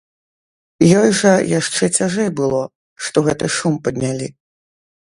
Ёй жа яшчэ цяжэй было, што гэты шум паднялі.